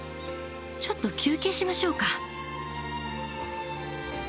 ちょっと休憩しましょうか。